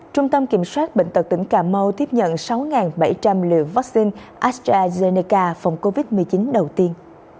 trung tâm kiểm soát bệnh tật tỉnh cà mau tiếp nhận sáu bảy trăm linh liều vaccine astrazeneca phòng covid một mươi chín đầu tiên